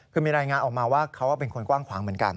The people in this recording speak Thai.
คือมีรายงานออกมาว่าเขาเป็นคนกว้างขวางเหมือนกัน